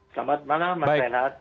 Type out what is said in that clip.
selamat malam mas renat